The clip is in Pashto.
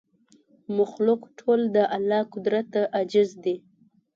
مخلوق ټول د الله قدرت ته عاجز دی